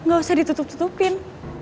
gak usah ditutup tutupin